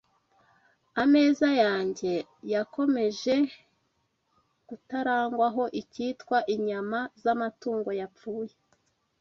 ameza yanjye yakomeje kutarangwaho icyitwa inyama z’amatungo yapfuye